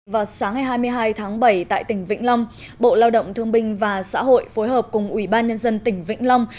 vào sáng ngày hai mươi hai tháng bảy tại tỉnh vĩnh long bộ lao động thương binh và xã hội phối hợp cùng ủy ban nhân dân tỉnh vĩnh long